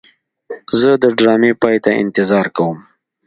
زه د ډرامې پای ته انتظار کوم.